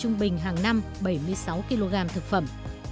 và nâng bình hàng năm bảy mươi sáu kg thực phẩm